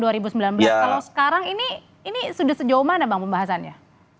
kalau sekarang ini sudah sejauh mana bang pembahasannya